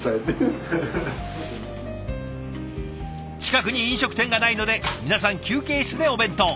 近くに飲食店がないので皆さん休憩室でお弁当。